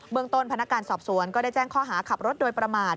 เมืองต้นพนักการสอบสวนก็ได้แจ้งข้อหาขับรถโดยประมาท